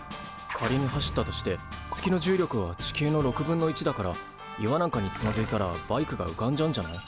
仮に走ったとして月の重力は地球のだから岩なんかにつまずいたらバイクが浮かんじゃうんじゃない？